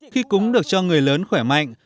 khi cúng được cho người lớn khỏe mạnh